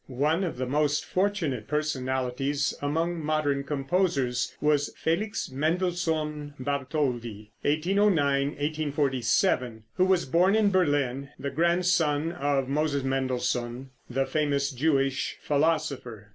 One of the most fortunate personalities among modern composers was Felix Mendelssohn Bartholdy (1809 1847), who was born in Berlin, the grandson of Moses Mendelssohn, the famous Jewish philosopher.